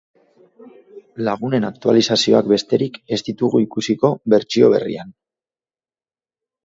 Lagunen aktualizazioak besterik ez ditugu ikusiko bertsio berrian.